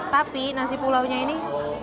tapi nasi pulaunya ini